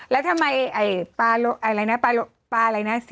แล้วทำไมอันนี้หล่อกว่าปารม้า